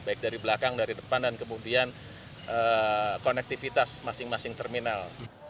baik dari belakang dari depan dan kemudian konektivitas masing masing terminal